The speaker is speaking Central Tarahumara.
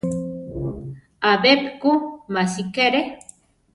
Abepi ku másikere.